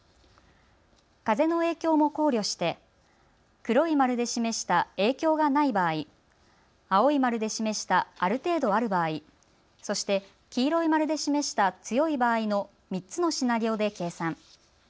風の影響も考慮して黒い丸で示した影響がない場合、青い丸で示したある程度ある場合、そして黄色い丸で示した強い場合の３つのシナリオで計算。